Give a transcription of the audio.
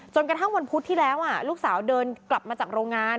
กระทั่งวันพุธที่แล้วลูกสาวเดินกลับมาจากโรงงาน